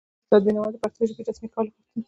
استاد بینوا د پښتو ژبې رسمي کول غوښتل.